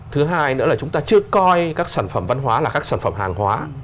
thứ hai nữa là chúng ta chưa coi các sản phẩm văn hóa là các sản phẩm hàng hóa